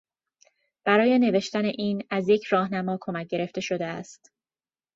برای نوشتن این از یک راهنما کمک گرفته شده است.